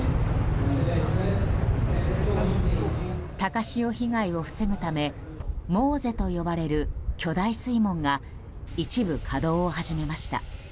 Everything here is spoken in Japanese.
高潮被害を防ぐためモーゼと呼ばれる巨大水門が一部稼働を始めました。